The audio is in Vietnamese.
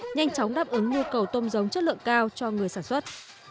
nhanh chóng đáp ứng nhu cầu tôm giống chất lượng cao cho người sản xuất